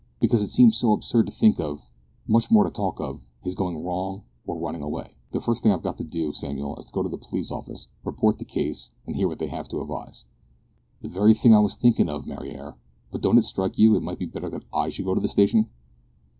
"Because it seems so absurd to think of, much more to talk of, his going wrong or running away! The first thing I've got to do, Samuel, is to go to the police office, report the case, and hear what they have to advise." "The very thing I was thinking of, Mariar; but don't it strike you it might be better that I should go to the station?"